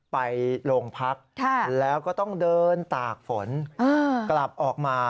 ไปโรงพักแล้วก็ต้องเดินตากฝนกลับออกมา